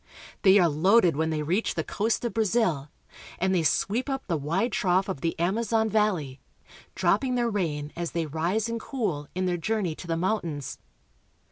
They are loaded when they reach the coast of Brazil, and they sweep up the wide trough of the Amazon valley, drop ping their rain as they rise and cool in their journey to' the mountains.